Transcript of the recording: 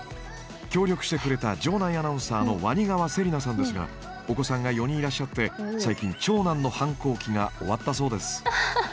協力してくれた場内アナウンサーの鰐川せりなさんですがお子さんが４人いらっしゃって最近長男の反抗期が終わったそうです。